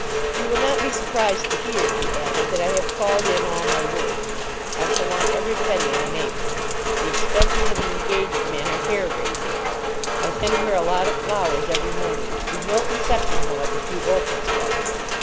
"You will not be surprised to hear," he added, "that I have called in all my work. I shall want every penny I make. The expenses of an engaged man are hair raising. I send her a lot of flowers every morning—you've no conception how much a few orchids cost.